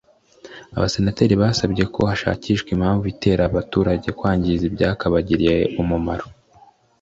Abasenateri basabye ko hashakishwa impamvu itera aba baturage kwangiza ibyakabagiriye umumaro